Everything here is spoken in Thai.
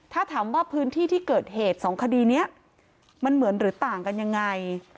ถ้าถามว่าพื้นที่ที่เกิดเหตุ๒คดีนี้มันเหมือนหรือต่างกันยังไง